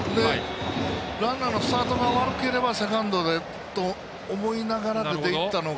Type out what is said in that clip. ランナーのスタートが悪ければセカンドでと思いながら、出て行ったのが。